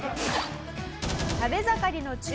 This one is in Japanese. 食べ盛りの中